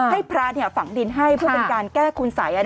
ให้พระฝังดินให้เพื่อเป็นการแก้คุณสัย